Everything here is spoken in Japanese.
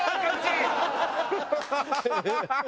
ハハハハ！